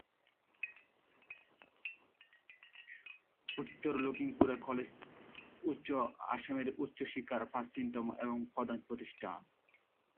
উত্তর লখিমপুর কলেজ উচ্চ আসামের উচ্চশিক্ষার প্রাচীনতম এবং প্রধান প্রতিষ্ঠান।